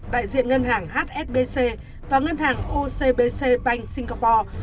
đại diện ngân hàng hsbc và ngân hàng ocbc panh singapore